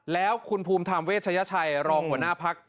แล้วคุณภูมิทำเวชชายชัยรองหัวหน้าภักดิ์